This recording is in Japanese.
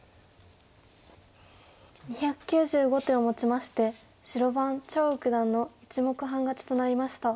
２９５手をもちまして白番張栩九段の１目半勝ちとなりました。